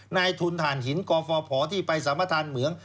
นายทุนฐานหินกฟภที่ไปสามทานเหมือง